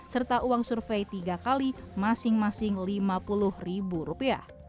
serta uang survei tiga kali masing masing rp lima puluh